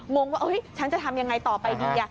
งงว่าฉันจะทำยังไงต่อไปดี